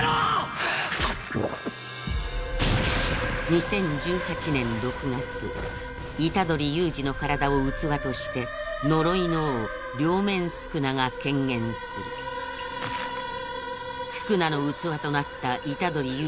２０１８年６月虎杖悠仁の体を器として呪いの王両面宿儺が顕現する宿儺の器となった虎杖悠